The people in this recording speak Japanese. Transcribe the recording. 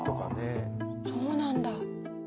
そうなんだ。